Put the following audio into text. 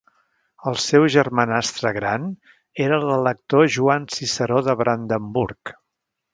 El seu germanastre gran era l'elector Joan Ciceró de Brandenburg.